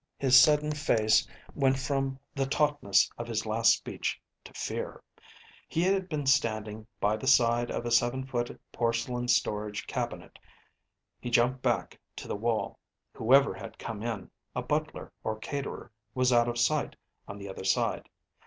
His sudden face went from the tautness of his last speech to fear. He had been standing by the side of a seven foot porcelain storage cabinet. He jumped back to the wall. Whoever had come in, a butler or caterer, was out of sight on the other side.